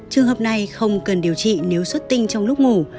trường hợp này không cần điều trị nếu xuất tinh trong lúc ngủ